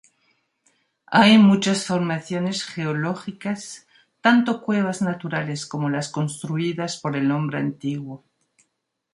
Hay muchas formaciones geológicas, tanto cuevas naturales como las construidas por el hombre antiguo.